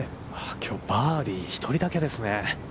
きょう、バーディーは１人だけですね。